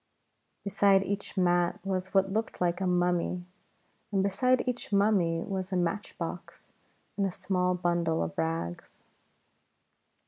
Beside each mat was what looked like a mummy, and beside each mummy was a matchbox and a small bundle of rags.